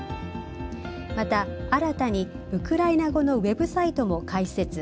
また新たにウクライナ語のウェブサイトも開設。